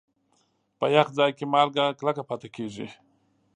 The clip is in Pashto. په یخ ځای کې مالګه کلکه پاتې کېږي.